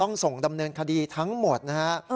ต้องส่งดำเนินคดีทั้งหมดนะฮะ